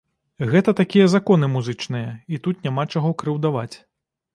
Гэта такія законы музычныя, і тут няма чаго крыўдаваць.